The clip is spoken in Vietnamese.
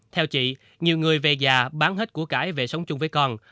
theo chị nhiều người về già bán hết của cải về sống chung với con